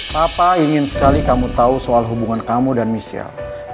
papa ingin sekali kamu tahu soal hubungan kamu dan michelle